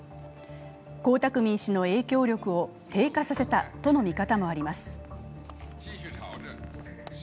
江沢民氏の影響力を低下させたとの見方もあります。